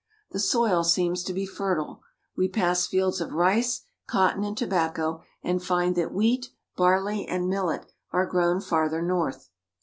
The soil seems to be fertile. We pass fields of rice, cotton, and tobacco, and find that wheat, barley, and millet are grown farther north.